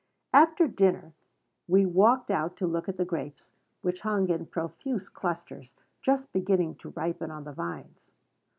After dinner we walked out to look at the grapes, which hung in profuse clusters, just beginning to ripen on the vines.